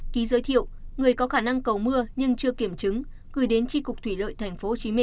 ký giới thiệu người có khả năng cầu mưa nhưng chưa kiểm chứng gửi đến tri cục thủy lợi tp hcm